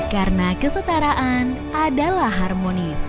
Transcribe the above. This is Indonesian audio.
karena kesetaraan adalah harmonis